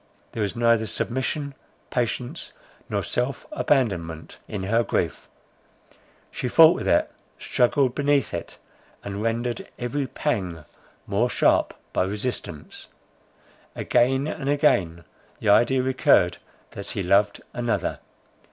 There was neither submission, patience, nor self abandonment in her grief; she fought with it, struggled beneath it, and rendered every pang more sharp by resistance. Again and again the idea recurred, that he loved another.